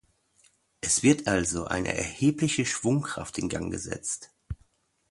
Es wird also eine erhebliche Schwungkraft in Gang gesetzt.